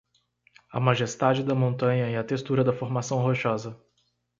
A majestade da montanha e a textura da formação rochosa